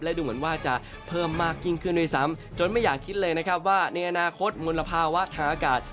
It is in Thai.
และดูเหมือนว่าจะเพิ่มมากยิ่งขึ้นด้วยซ้ำจนไม่อยากคิดเลยนะครับว่าในอนาคตมลภาวะทางอากาศ